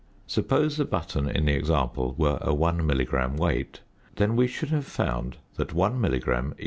Suppose the button in the example were a 1 milligram weight, then we should have found that 1 milligram = 8.